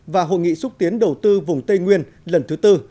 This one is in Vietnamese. và hội nghị xúc tiến đầu tư vùng tây nguyên lần thứ tư